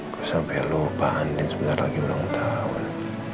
kok sampai lupa andien sebentar lagi ulang tahun